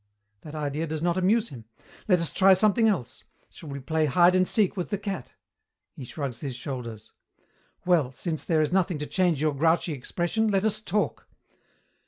That idea does not amuse him. Let us try something else. Shall we play hide and seek with the cat? He shrugs his shoulders. Well, since there is nothing to change your grouchy expression, let us talk.